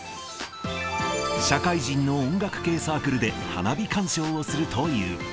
社会人の音楽系サークルで花火鑑賞をするという。